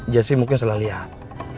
jesse mungkin sudah liat